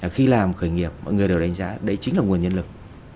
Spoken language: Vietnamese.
khi làm khởi nghiệp mọi người đều đánh giá đấy chính là nguồn nhân lực